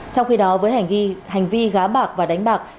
trong khi đó với hành vi gá bạc và đánh bạc